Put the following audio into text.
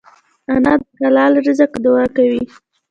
انا د حلال رزق دعا کوي